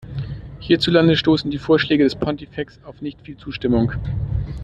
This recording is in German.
Hierzulande stoßen die Vorschläge des Pontifex auf nicht viel Zustimmung.